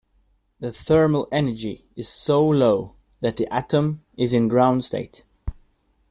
The thermal energy is so low that the atom is in ground state.